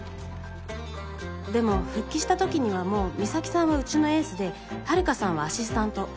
でも復帰した時にはもう美咲さんはうちのエースで遥さんはアシスタント。